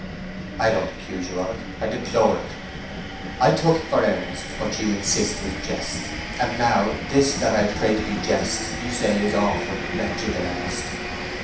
"I don't accuse you of it—I deplore it. I took for earnest what you insist was jest, and now this that I pray to be jest you say is awful, wretched earnest.